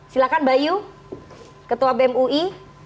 silahkan bayu ketua bem ui